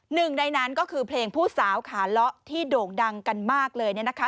หนึ่งในนั้นก็คือเพลงผู้สาวขาเลาะที่โด่งดังกันมากเลยเนี่ยนะคะ